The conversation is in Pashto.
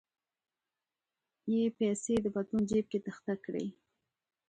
یې پیسې د پتلون جیب کې تخته کړې.